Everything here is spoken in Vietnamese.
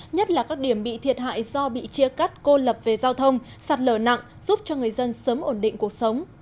nhất là các điểm bị thiệt hại do bị chia cắt cô lập về giao thông sạt lở nặng giúp cho người dân sớm ổn định cuộc sống